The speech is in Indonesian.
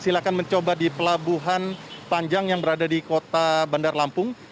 silahkan mencoba di pelabuhan panjang yang berada di kota bandar lampung